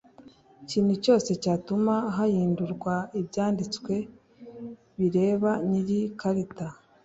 Ikintu cyose cyatuma hahindurwa ibyanditswe bireba nyiri karita